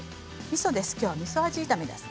みそです。